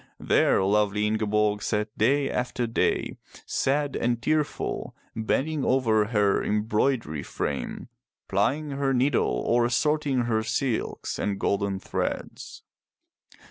There lovely Ingeborg sat day after day, sad and tearful, bending over her embroidery frame, plying her needle or sorting her silks and golden threads.